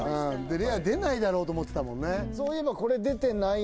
レア出ないだろうと思ってたもんね